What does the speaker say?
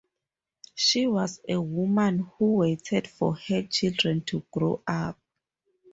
She was a woman who waited for her children to grow up.